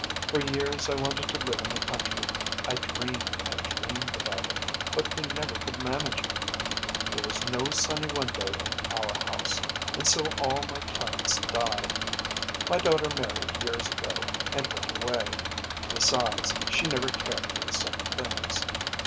For years I wanted to live in the country. I dreamed and dreamed about it; but we never could manage it. There was no sunny window in our house, and so all my plants died. My daughter married years ago and went away besides, she never cared for the same things.